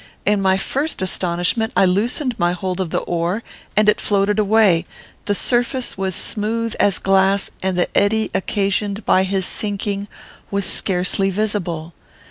In my first astonishment I loosened my hold of the oar, and it floated away. The surface was smooth as glass, and the eddy occasioned by his sinking was scarcely visible.